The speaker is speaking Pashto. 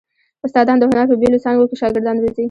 استادان د هنر په بېلو څانګو کې شاګردان روزي.